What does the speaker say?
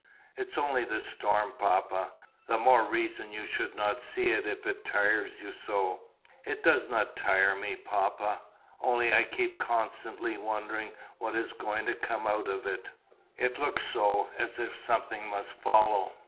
"It's only the storm, papa." "The more reason you should not see it if it tires you so." "It does not tire me, papa. Only I keep constantly wondering what is going to come out of it. It looks so as if something must follow."